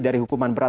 dari hukuman berat